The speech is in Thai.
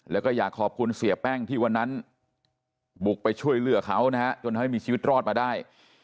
แล้วก็อยากขอบคุณเสียแป้งที่วันนั้นบุกไปช่วยเหลือเขานะฮะจนทำให้มีชีวิตรอดมาได้